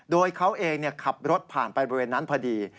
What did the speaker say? โดยเขาเองขับรถผ่านไปบริเวณนั้นพอดี